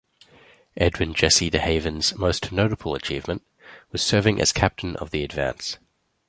Edwin Jesse De Haven's most notable achievement was serving as captain of the "Advance".